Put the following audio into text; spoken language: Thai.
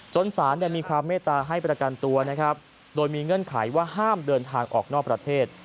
สารมีความเมตตาให้ประกันตัวนะครับโดยมีเงื่อนไขว่าห้ามเดินทางออกนอกประเทศ